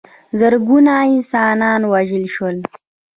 زرګونه انسانان ووژل شول.